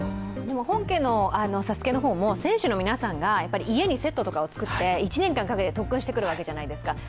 本家の「ＳＡＳＵＫＥ」の方も選手の皆さんが家にセットとかを作って１年間かけて特訓してくるわけじゃないですか。